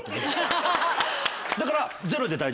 だから。